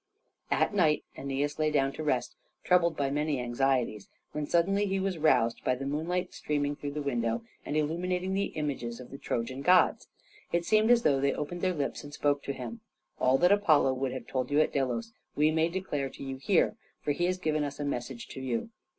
At night Æneas lay down to rest, troubled by many anxieties, when suddenly he was roused by the moonlight streaming through the window and illuminating the images of the Trojan gods. It seemed as though they opened their lips and spoke to him. "All that Apollo would have told you at Delos, we may declare to you here, for he has given us a message to you.